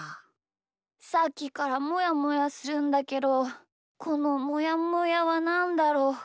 さっきからもやもやするんだけどこのもやもやはなんだろう？